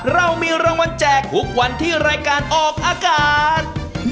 เรามีรางวัลแจกทุกวันที่รายการออกอากาศ